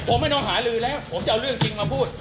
ผมไม่ต้องหาลือแล้วผมจะเอาเรื่องจริงมาพูด